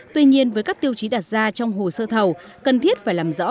tuy nhiên với các tiêu chí đặt ra trong hồ sơ thầu cần thiết phải làm rõ